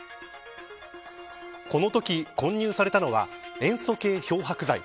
このとき混入されたのは塩素系漂白剤。